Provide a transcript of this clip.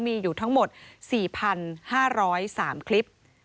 มีอยู่ทั้งหมด๔๕๐๓คลิป